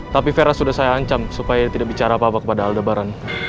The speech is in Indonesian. tapi vera sudah saya ancam supaya dia tidak bicara apa apa kepada aldebaran